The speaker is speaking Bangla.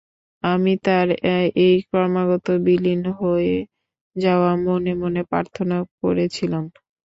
আমি তার এই ক্রমাগত বিলীন হয়ে যাওয়া মনে মনে প্রার্থনা করেছিলাম?